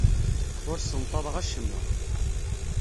Ur ssenṭaḍeɣ acemma.